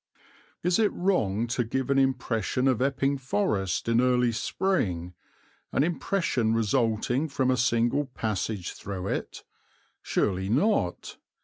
Is it wrong to give an impression of Epping Forest in early spring, an impression resulting from a single passage through it? Surely not.